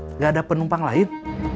enggak ada penumpang lain